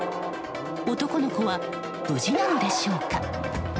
男の子は無事なんでしょうか。